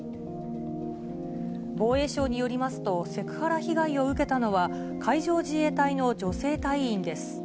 防衛省によりますと、セクハラ被害を受けたのは、海上自衛隊の女性隊員です。